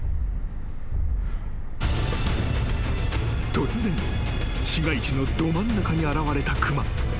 ［突然市街地のど真ん中に現れた熊］